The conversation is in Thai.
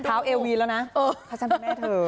ขาวเอวีระนะว่าถ้าฉันเป็นแม่เธอ